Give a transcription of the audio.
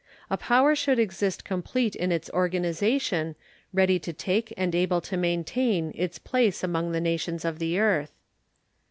A power should exist complete in its organization, ready to take and able to maintain its place among the nations of the earth.